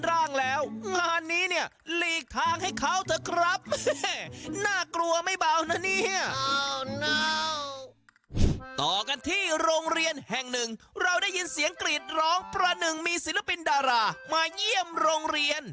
ต่อกันที่โรงเรียนแห่งหนึ่งเราได้ยินเสียงกรีดร้องประหนึ่งมีศิลปินดารามาเยี่ยมโรงเรียน